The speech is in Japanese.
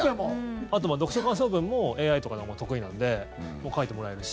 あと読書感想文もＡＩとかのほうが得意なので書いてもらえるし。